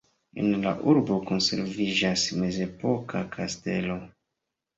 En la urbo konserviĝas mezepoka kastelo.